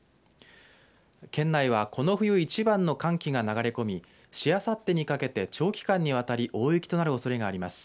県内はこの冬一番の寒気が流れ込みしあさってにかけて長期間にわたり大雪となるおそれがあります。